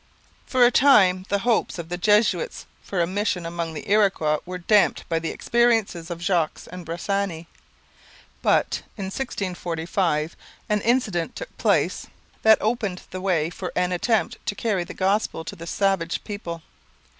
For a time the hopes of the Jesuits for a mission among the Iroquois were damped by the experiences of Jogues and Bressani. But in 1645 an incident took place that opened the way for an attempt to carry the Gospel to this savage people.